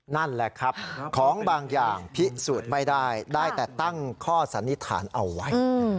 นั่นแหละครับของบางอย่างพิสูจน์ไม่ได้ได้แต่ตั้งข้อสันนิษฐานเอาไว้